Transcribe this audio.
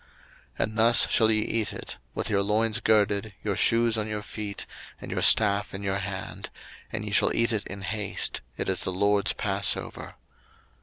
02:012:011 And thus shall ye eat it; with your loins girded, your shoes on your feet, and your staff in your hand; and ye shall eat it in haste: it is the LORD's passover.